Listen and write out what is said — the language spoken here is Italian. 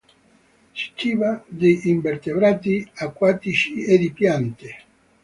Si ciba di invertebrati acquatici e di piante.